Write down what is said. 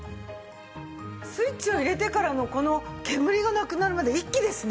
スイッチを入れてからのこの煙がなくなるまで一気ですね。